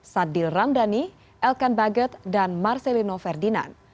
sadil ramdhani elkan baget dan marcelino ferdinand